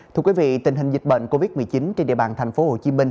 thưa quý vị tình hình dịch bệnh covid một mươi chín trên địa bàn tp hcm